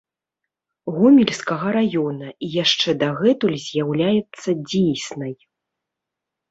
Гомельскага раёна і яшчэ дагэтуль з'яўляецца дзейснай.